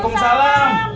udah ngapa lu berdua